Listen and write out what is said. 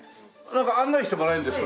案内してもらえるんですか？